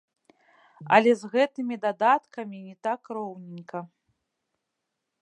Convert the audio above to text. Але з гэтымі датамі не так роўненька.